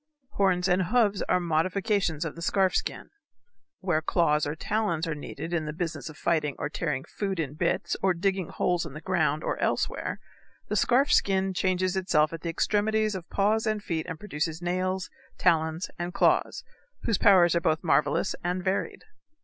Horns and hoofs are modifications of the scarf skin. Where claws or talons are needed in the business of fighting or tearing food in bits or digging holes in the ground or elsewhere, the scarf skin changes itself at the extremities of paws and feet and produces nails, talons, and claws, whose powers are both marvelous and varied.